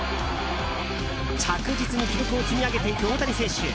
着実に記録を積み上げていく大谷選手。